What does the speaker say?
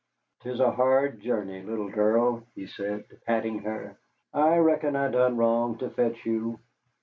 "'Tis a hard journey, little girl," he said, patting her; "I reckon I done wrong to fetch you."